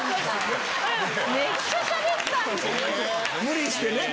無理してね。